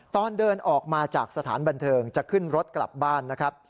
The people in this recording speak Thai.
ตอนเดินออกมาจากสถานบันเทิงจะขึ้นรถกลับบ้านนะครับ